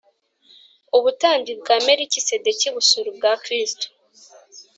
ubutambyi bwa melikisedeki buzura ubwa krisito